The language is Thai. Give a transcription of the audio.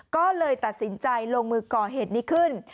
ก็เลยตัดสินใจลงมือก่อเหตุนี้ขึ้น